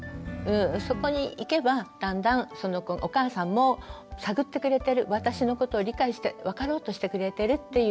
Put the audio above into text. そこにいけばだんだんお母さんも探ってくれてる私のことを理解して分かろうとしてくれてるっていうね